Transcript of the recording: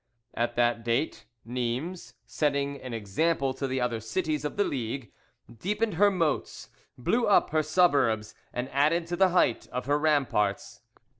At that date Nimes, setting an example to the other cities of the League, deepened her moats, blew up her suburbs, and added to the height of her ramparts.